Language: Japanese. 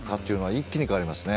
一気に変わりますね。